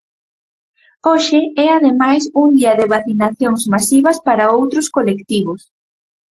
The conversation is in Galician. Hoxe é ademais un día de vacinacións masivas para outros colectivos.